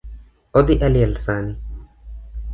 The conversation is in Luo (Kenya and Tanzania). Odhi e liel sani